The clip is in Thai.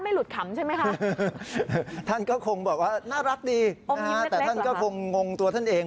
หลุดขำใช่ไหมคะท่านก็คงบอกว่าน่ารักดีนะฮะแต่ท่านก็คงงตัวท่านเอง